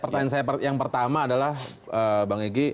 pertanyaan saya yang pertama adalah bang egy